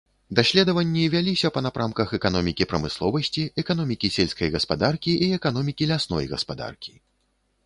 Даследаванні вяліся па напрамках эканомікі прамысловасці, эканомікі сельскай гаспадаркі і эканомікі лясной гаспадаркі.